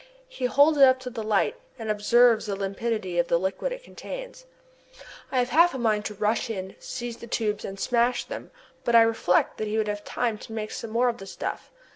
He holds it up to the light, and observes the limpidity of the liquid it contains. I have half a mind to rush in, seize the tubes and smash them, but I reflect that he would have time to make some more of the stuff.